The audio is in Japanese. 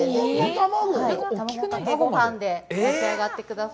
卵かけごはんで召し上がってください。